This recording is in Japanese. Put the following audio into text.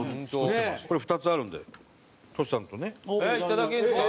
これ２つあるんでトシさんとね。えっいただけるんですか？